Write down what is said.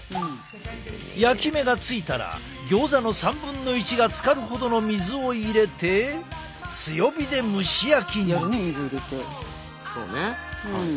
焼き目がついたらギョーザの３分の１がつかるほどの水を入れて強火で蒸し焼きに。